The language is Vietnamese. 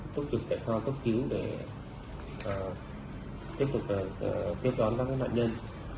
tốt trực kệ kho tốt cứu để tiếp tục tiếp đón các nạn nhân